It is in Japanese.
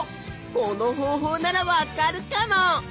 この方法ならわかるかも！